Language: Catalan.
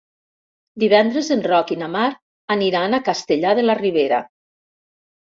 Divendres en Roc i na Mar aniran a Castellar de la Ribera.